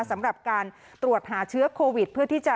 สำหรับการตรวจหาเชื้อโควิด